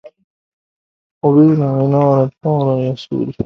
On va anar a parar el sol?